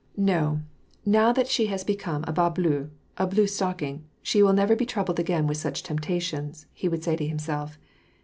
" No, now that she has become a has bleu, a blue stocking, she will never be troubled again with such temptations," he would say to himself.